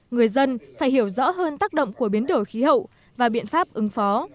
người dân phải hiểu rõ hơn tác động của biến đổi khí hậu và biện pháp ứng phó